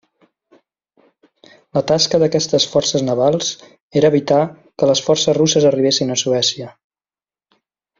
La tasca d'aquestes forces navals era evitar que les forces russes arribessin a Suècia.